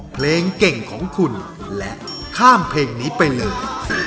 เพลงเก่งของคุณและข้ามเพลงนี้ไปเลย